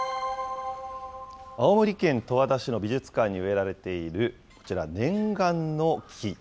青森県十和田市の美術館に植えられている、こちら、念願の木。